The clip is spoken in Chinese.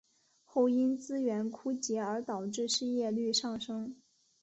后因资源枯竭而导致失业率上升。